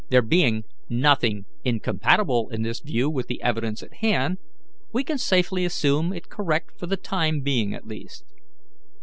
There being nothing incompatible in this view with the evidence at hand, we can safely assume it correct for the time being at least.